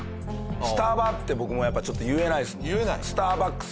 「スタバ」って僕もやっぱちょっと言えないですもん。